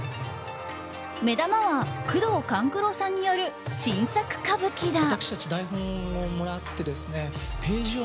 目玉は宮藤官九郎さんによる新作歌舞伎だ。